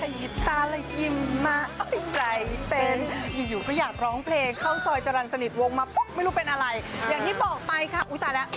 อย่างที่บอกไปครับอุ๊ยตะแล้ว